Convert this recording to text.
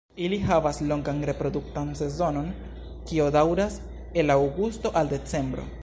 Ili havas longan reproduktan sezonon, kio daŭras el aŭgusto al decembro.